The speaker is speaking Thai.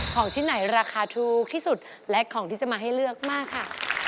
ของชิ้นไหนราคาถูกที่สุดและของที่จะมาให้เลือกมากค่ะ